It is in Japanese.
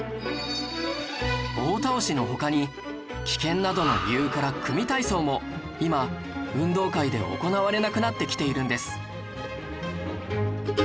棒倒しの他に危険などの理由から組体操も今運動会で行われなくなってきているんです